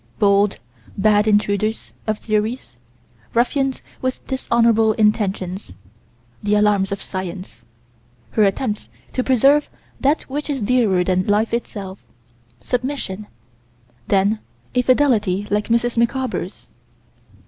Bold, bad intruders of theories; ruffians with dishonorable intentions the alarms of Science; her attempts to preserve that which is dearer than life itself submission then a fidelity like Mrs. Micawber's.